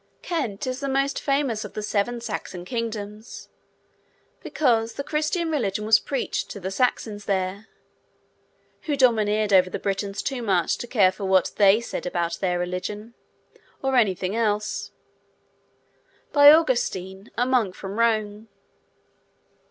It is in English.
Kent is the most famous of the seven Saxon kingdoms, because the Christian religion was preached to the Saxons there (who domineered over the Britons too much, to care for what they said about their religion, or anything else) by Augustine, a monk from Rome.